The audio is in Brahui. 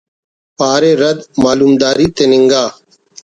پارے رَد معلومداری تننگا